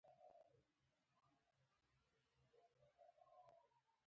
د علامه طرزي لوی ډیپلوماتیک ظرافت و.